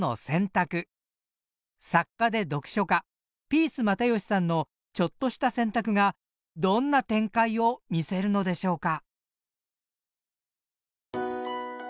作家で読書家ピース又吉さんのちょっとした選択がどんな展開を見せるのでしょうか？